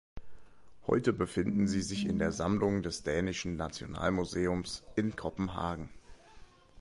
Heute befinden sie sich in der Sammlung des Dänischen Nationalmuseums in Kopenhagen.